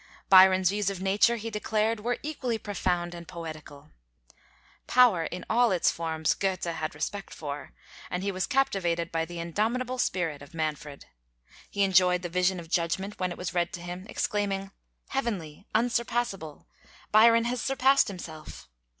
Byron's views of nature he declared were "equally profound and poetical." Power in all its forms Goethe had respect for, and he was captivated by the indomitable spirit of Manfred. He enjoyed the 'Vision of Judgment' when it was read to him, exclaiming "Heavenly!" "Unsurpassable!" "Byron has surpassed himself."